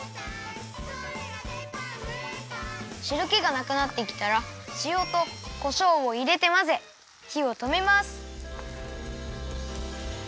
しるけがなくなってきたらしおとこしょうをいれてまぜひをとめます。